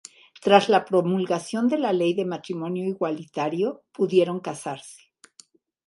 Tras la promulgación de la Ley de Matrimonio Igualitario pudieron casarse.